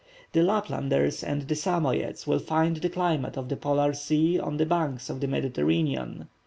The Laplanders and the Samoyedes will find the climate of the Polar Sea on the banks of the Mediterranean.